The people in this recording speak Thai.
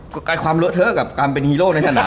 กลายความเลอะเทอะกับการเป็นฮีโร่ในสนาม